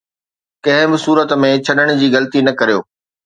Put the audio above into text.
ڪنهن به صورت ۾ ڇڏڻ جي غلطي نه ڪريو